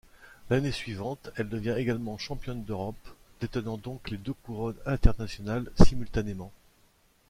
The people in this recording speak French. L'année suivante, elle devient également championne d'Europe, détenant donc les deux couronnes internationales simultanément.